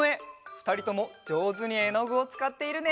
ふたりともじょうずにえのぐをつかっているね。